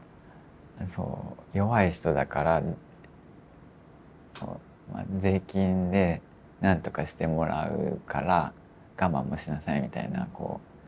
弱い人だから税金でなんとかしてもらうから我慢もしなさいみたいなこう。